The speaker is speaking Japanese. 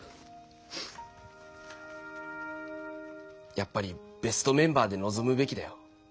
やっぱりベストメンバーでのぞむべきだよ。